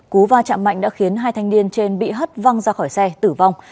cú va chạm mạnh đã khiến hai thanh niên trên bị hất văng ra khỏi xe tử vong